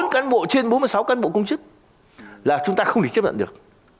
bốn cán bộ trên bốn mươi sáu cán bộ công chức là chúng ta không thể chấp nhận được